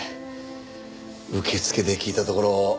受付で聞いたところあちこち